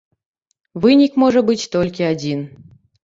Вынік можа быць толькі адзін.